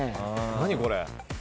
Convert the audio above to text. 何これ？